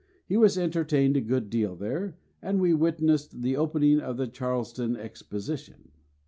He was entertained a good deal there, and we witnessed the opening of the Charleston Exposition.